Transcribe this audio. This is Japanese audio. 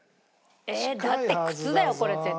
えっだって靴だよこれ絶対。